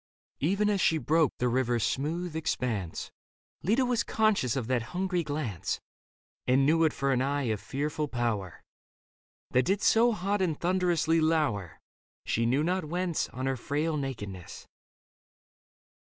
Even as she broke the river's smooth expanse, Leda was conscious of that hungry glance. And knew it for an eye of fearful power That did so hot and thunderously lour, She knew not whence, on her frail nakedness.